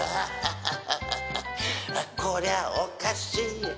こりゃおかしい。